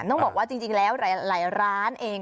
ต้องบอกว่าจริงแล้วหลายร้านเอง